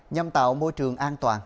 nhằm tạo môi trường an toàn